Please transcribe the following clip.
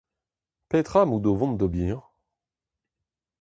Petra emaout o vont d’ober.